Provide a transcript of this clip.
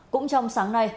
cũng trong sáng nay